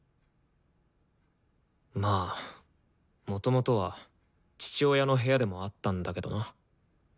まあもともとは父親の部屋でもあったんだけどな。